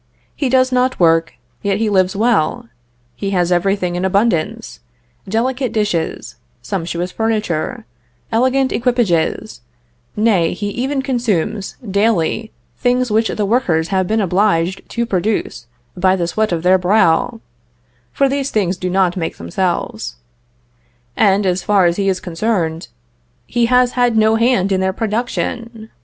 He does not work, yet he lives well; he has everything in abundance, delicate dishes, sumptuous furniture, elegant equipages; nay, he even consumes, daily, things which the workers have been obliged to produce by the sweat of their brow; for these things do not make themselves; and, as far as he is concerned, he has had no hand in their production.